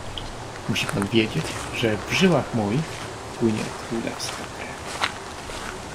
"Musi pan wiedzieć, że w żyłach moich płynie królewska krew."